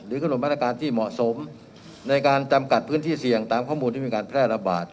กำหนดมาตรการที่เหมาะสมในการจำกัดพื้นที่เสี่ยงตามข้อมูลที่มีการแพร่ระบาด